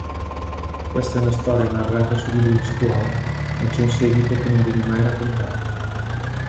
Questa è una storia narrata sui libri di scuola, ma c'è un seguito che non viene mai raccontato.